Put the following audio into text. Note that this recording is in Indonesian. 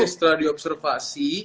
jadi setelah diobservasi